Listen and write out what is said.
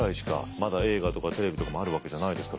まだ映画とかテレビとかもあるわけじゃないですから。